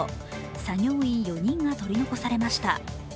作業員４人が取り残されました。